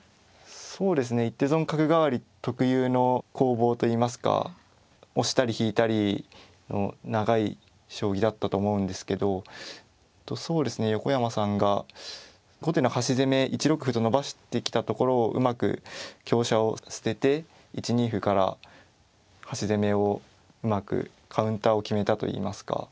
そうですね一手損角換わり特有の攻防といいますか押したり引いたり長い将棋だったと思うんですけどそうですね横山さんが後手の端攻め１六歩と伸ばしてきたところをうまく香車を捨てて１二歩から端攻めをうまくカウンターを決めたといいますか。